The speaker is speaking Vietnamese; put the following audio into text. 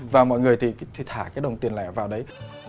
và mọi người thì thả cái đồng tiền lẻ vào đấy